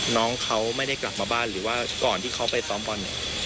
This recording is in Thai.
น้องเขาไม่ได้กลับมาบ้านหรือว่าก่อนที่เขาไปซ้อมบอลเนี่ย